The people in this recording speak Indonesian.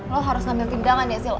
lo harus ngambil tindangan ya sih